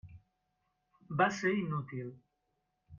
Va ser inútil.